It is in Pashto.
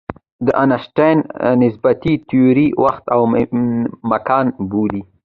د آینشټاین نسبیتي تیوري وخت او مکان بدلوي.